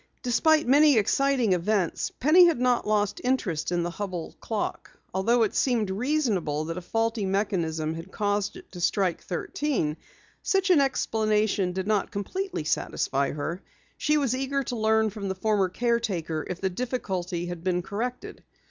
Despite many exciting events, Penny had not lost interest in the Hubell clock. Although it seemed reasonable that a faulty mechanism had caused it to strike thirteen, such an explanation did not completely satisfy her. She was eager to learn from the former caretaker if the difficulty had been corrected.